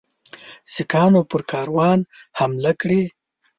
سیکهانو پر کاروان حمله کړې.